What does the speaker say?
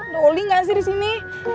dolly gak sih di sini